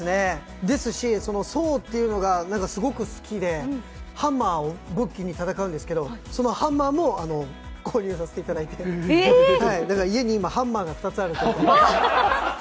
ソーっていうのがすごく好きでハンマーを武器に戦うんですけど、ハンマーも購入させていただいて家に今、ハンマーが２つあるという。